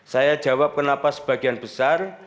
saya jawab kenapa sebagian besar